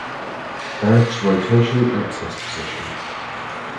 Earth's rotation axis position.